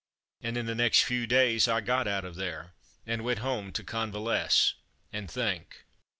And in the next few days I got out of there, and went home to convalesce and think.